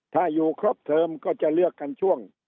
ถ้าอยู่ครบเทอมก็จะเลือกกันช่วง